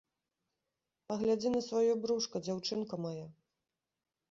Паглядзі на сваё брушка, дзяўчынка мая!